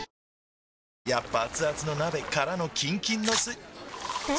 やっぱアツアツの鍋からのキンキンのスん？